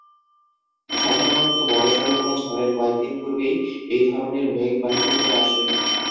সাধারণত বড়সড় কোনো ঝড়ের কয়েকদিন পূর্বেই এই ধরনের মেঘ বাহিত হয়ে আসে।